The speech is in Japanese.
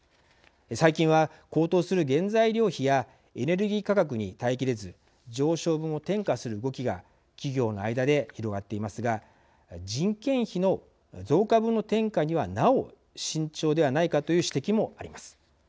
最近は高騰する原材料費やエネルギー価格に耐えきれず上昇分を転嫁する動きが企業の間で広がっていますが人件費の増加分の転嫁にはなお慎重ではないかという指摘もあります。